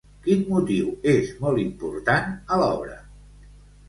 Quin motiu és molt important a l'obra?